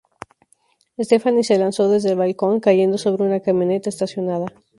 Stefani se lanzó desde el balcón cayendo sobre una camioneta estacionada.